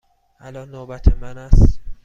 الان نوبت من است.